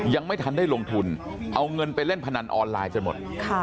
ยังไม่ทันได้ลงทุนเอาเงินไปเล่นพนันออนไลน์จนหมด